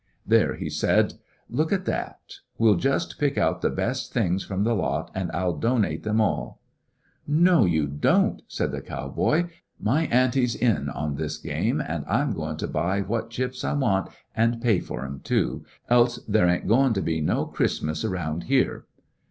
"There," he said, "look at that. We '11 Santa Claus just pick out the best things from the lot, and I '11 donate them aU." "No, you don't," said the cow boy. "My ante 's in on this game, an' I 'm goin' to buy what chips I want, an' pay fer 'em, too, else there ain't goin' to be no Christmas around here!"